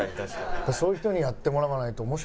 そういう人にやってもらわないと。